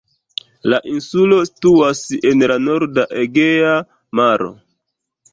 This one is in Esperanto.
La insulo situas en la norda Egea Maro.